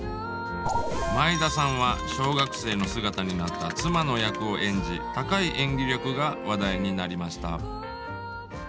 毎田さんは小学生の姿になった妻の役を演じ高い演技力が話題になりました。